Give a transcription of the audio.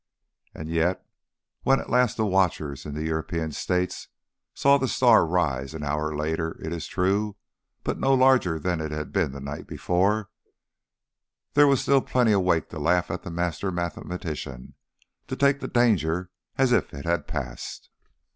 And yet, when at last the watchers in the European States saw the star rise, an hour later it is true, but no larger than it had been the night before, there were still plenty awake to laugh at the master mathematician to take the danger as if it had passed.